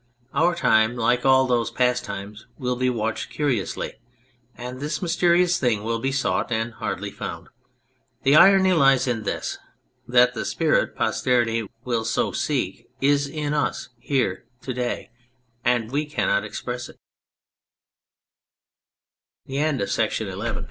Our time, like all those past times, will be watched curiously, and this mysterious thing will be sought and hardly found. The irony lies in this : that the spirit posterity will so seek is in us, here, to day and we canno